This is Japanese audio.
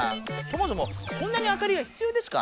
そもそもこんなに明かりがひつようですか？